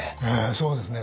そうですね。